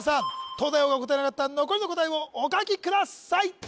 東大王が答えなかった残りの答えをお書きください